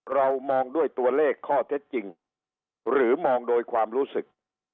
เรามองด้วยตัวเลขข้อเท็จจริงหรือมองโดยความรู้สึก